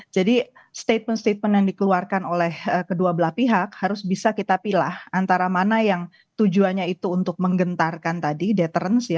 jadi statement statement yang dikeluarkan oleh kedua belah pihak harus bisa kita pilih antara mana yang tujuannya itu untuk menggentarkan tadi deterensi